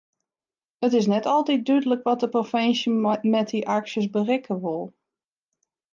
It is net altyd dúdlik wat de provinsje met dy aksjes berikke wol.